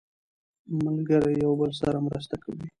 ملګري یو بل سره مرسته کوي